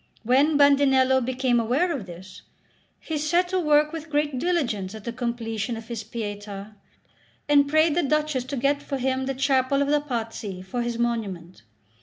When Bandinello became aware of this, he set to work with great diligence at the completion of his Pietà, and prayed the Duchess to get for him the chapel of the Pazzi for his monument.